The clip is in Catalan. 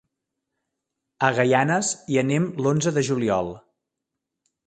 A Gaianes hi anem l'onze de juliol.